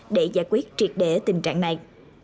để giải quyết triệt để tình trạng này